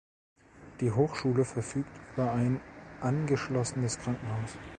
Die Hochschule verfügt über ein angeschlossenes Krankenhaus.